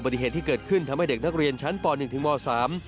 ปฏิเหตุที่เกิดขึ้นทำให้เด็กนักเรียนชั้นป๑ถึงม๓